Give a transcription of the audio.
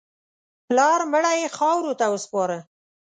پلار مړی یې خاورو ته وسپاره.